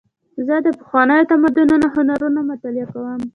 زه د پخوانیو تمدنونو هنرونه مطالعه کوم.